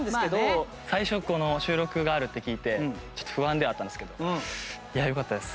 最初この収録があるって聞いてちょっと不安ではあったんですけどよかったです。